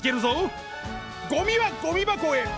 ゴミはゴミ箱へ！